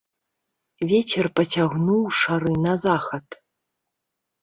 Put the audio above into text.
Вецер пацягнуў шары на захад.